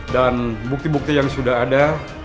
dan bukti bukti yang sudah ada